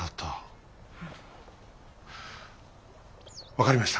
分かりました。